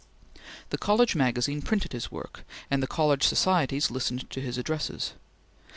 The College Magazine printed his work, and the College Societies listened to his addresses.